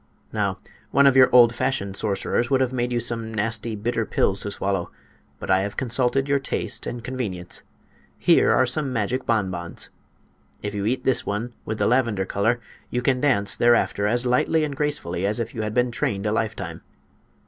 Now, one of your old fashioned sorcerers would have made you some nasty, bitter pills to swallow; but I have consulted your taste and convenience. Here are some magic bonbons. If you eat this one with the lavender color you can dance thereafter as lightly and gracefully as if you had been trained a lifetime.